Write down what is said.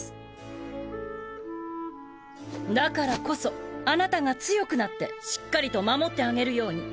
だからこそあなたが強くなってしっかりと守ってあげるように。